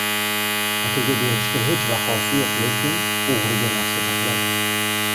• Akaga berishga hech vaqosi yo‘q, lekin o‘g‘riga narsa topiladi.